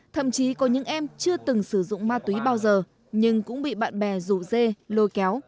thậm chí có những em chưa từng sử dụng ma túy bao giờ nhưng cũng bị bạn bè rủ dê lôi kéo